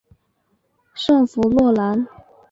圣弗洛兰。